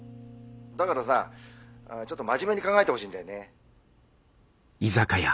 だからさちょっと真面目に考えてほしいんだよね。